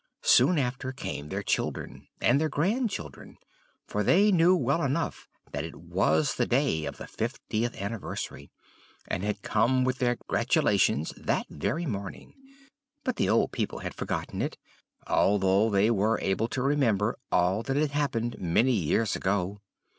Soon after came their children, and their grand children; for they knew well enough that it was the day of the fiftieth anniversary, and had come with their gratulations that very morning; but the old people had forgotten it, although they were able to remember all that had happened many years ago.